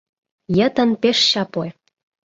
Йытын пеш чапле.